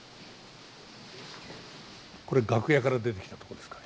これ楽屋から出てきたとこですかね？